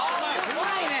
うまいね！